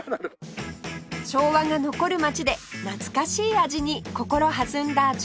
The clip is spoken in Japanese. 昭和が残る街で懐かしい味に心弾んだ純ちゃん